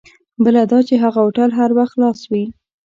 بله دا چې هغه هوټل هر وخت خلاص وي.